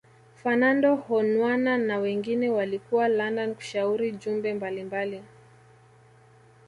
Fernando Honwana na wengine walikuwa London kushauri jumbe mbali mbali